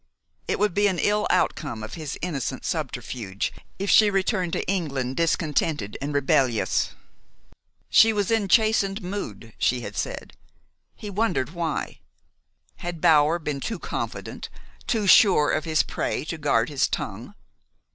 It would be an ill outcome of his innocent subterfuge if she returned to England discontented and rebellious. She was in "chastened mood," she had said. He wondered why? Had Bower been too confident, too sure of his prey to guard his tongue?